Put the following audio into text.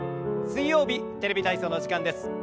水曜日「テレビ体操」の時間です。